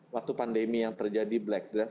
waktu pandemi yang terjadi black drones